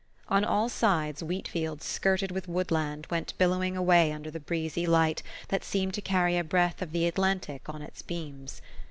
On all sides wheat fields skirted with woodland went billowing away under the breezy light that seemed to carry a breath of the Atlantic on its beams.